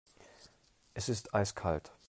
Es ist eiskalt.